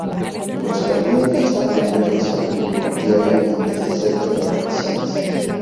Los jardines están abiertos al público diariamente excepto en vacaciones.